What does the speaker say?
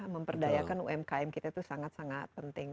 memperdayakan umkm kita itu sangat sangat penting